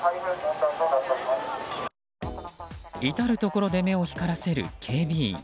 至るところで目を光らせる警備員。